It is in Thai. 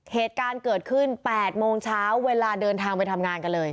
เหตุการณ์เกิดขึ้น๘โมงเช้าเวลาเดินทางไปทำงานกันเลย